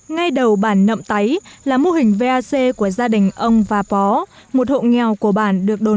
ngay đầu bản nậm táy là mô hình vac của gia đình ông và bó một hộ nghèo của bản được đồn